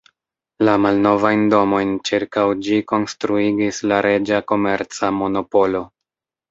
La malnovajn domojn ĉirkaŭ ĝi konstruigis la reĝa komerca monopolo.